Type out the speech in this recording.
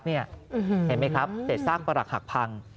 เห็นไหมครับเสร็จสร้างปรักหักพัง